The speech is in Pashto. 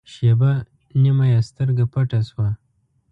شېبه نیمه یې سترګه پټه شوه.